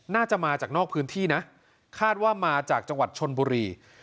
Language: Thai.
น่าจะมาจากนอกพื้นที่นะคาดว่ามาจากจังหวัดชนบุรี